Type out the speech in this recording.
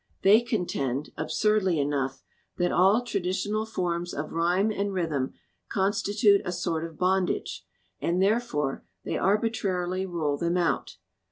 They contend, absurdly enough, that all traditional forms of rhyme and rhythm con stitute a sort of bondage, and therefore they ar bitrarily rule them out.